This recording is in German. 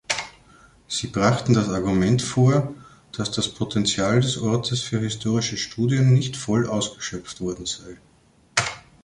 Sie brachten das Argument vor, dass das Potenzial des Ortes für historische Studien nicht voll ausgeschöpft worden sei.